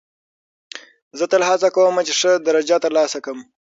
زه تل هڅه کوم، چي ښه درجه ترلاسه کم.